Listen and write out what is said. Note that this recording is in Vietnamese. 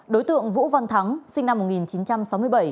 đối tượng vũ văn thắng sinh năm một nghìn chín trăm tám mươi năm